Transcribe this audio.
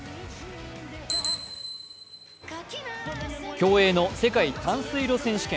競泳の世界短水路選手権。